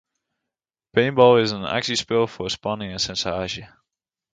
Paintball is in aksjespul fol spanning en sensaasje.